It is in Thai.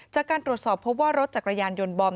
จากการตรวจสอบพบว่ารถจักรยานยนต์บอม